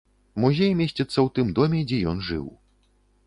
Музей месціцца ў тым доме, дзе ён жыў.